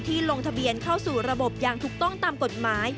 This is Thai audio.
ลงทะเบียนเข้าสู่ระบบอย่างถูกต้องตามกฎหมาย